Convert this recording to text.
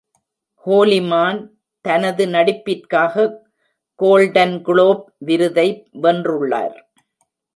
Holliman தனது நடிப்பிற்காக golden Globe விருதை வென்றுள்ளார்.